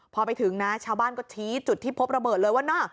พอไปถึงนะชาวบ้านก็ชี้จุดที่พบระเบิดเลยว่าเนอะ